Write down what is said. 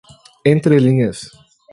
entrelinhas